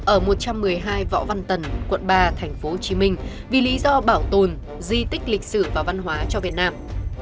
ở một trăm một mươi hai võ văn tần quận ba tp hcm vì lý do bảo tồn di tích lịch sử và văn hóa cho việt nam